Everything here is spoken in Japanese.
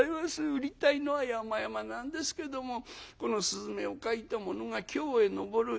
売りたいのはやまやまなんですけどもこの雀を描いた者が『京へ上る。